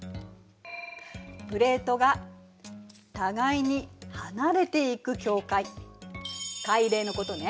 プレートが互いに離れていく境界海嶺のことね。